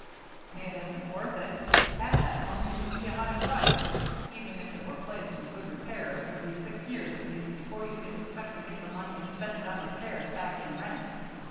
"It isn't worth it. Half that money would be a high price. Even if it were placed in good repair it would be six years at least before you could expect to get the money expended on repairs back in rent.